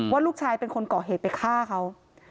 ว่าลูกชายเป็นคนก่อเหตุไปฆ่าเขา